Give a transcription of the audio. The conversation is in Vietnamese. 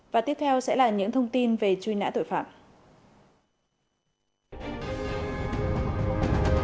và tiếp theo sẽ là những thông tin về truy nã tội phạm